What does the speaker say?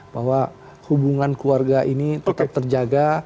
bahwa hubungan keluarga ini tetap terjaga